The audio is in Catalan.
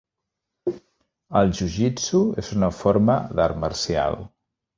El jujitsu és una forma d'art marcial.